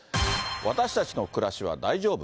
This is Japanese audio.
私たちの暮らしは大丈夫？